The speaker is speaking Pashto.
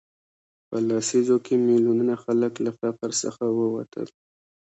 په لسیزو کې میلیونونه خلک له فقر څخه ووتل.